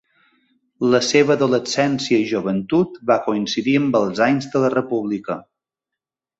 La seva adolescència i joventut va coincidir amb els anys de la República.